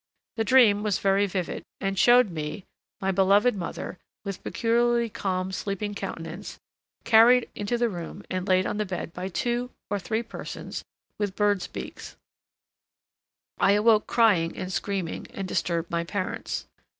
The dream was very vivid, and showed me _my beloved mother, with peculiarly calm sleeping countenance, carried into the room and laid on the bed by two (or three) persons with birds' beaks_. I awoke crying and screaming, and disturbed my parents.